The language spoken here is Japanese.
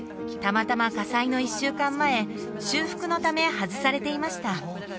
たまたま火災の一週間前修復のため外されていました